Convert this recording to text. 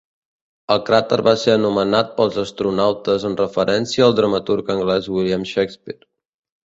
El cràter va ser anomenat pels astronautes en referència al dramaturg anglès William Shakespeare.